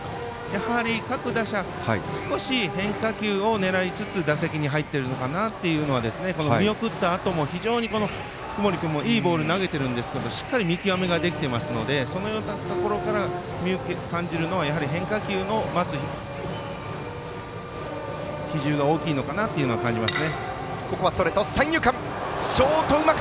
やはり、各打者少し変化球を狙いつつ打席に入っているのかなというのはこの見送ったあとも非常に福盛君いいボール投げてるんですけどしっかり見極めができていますのでそのようなところから感じるのは変化球の比重が大きいのかなと感じます。